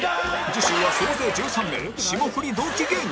次週は総勢１３名霜降り同期芸人